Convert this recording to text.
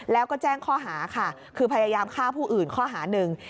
แล้วก็แจ้งข้อหาค่ะคือพยายามฆ่าผู้อื่นข้อหาหนึ่ง